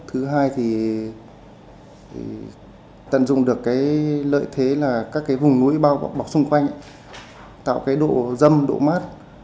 thứ hai thì tận dụng được cái lợi thế là các cái vùng núi bao bọc xung quanh tạo cái độ dâm độ mát